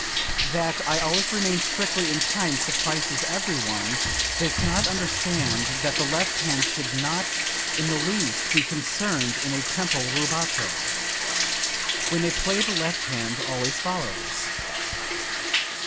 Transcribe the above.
That I always remain strictly in time surprises every one; they can not understand that the left hand should not in the least be concerned in a tempo rubato. When they play the left hand always follows."